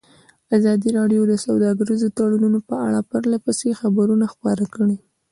ازادي راډیو د سوداګریز تړونونه په اړه پرله پسې خبرونه خپاره کړي.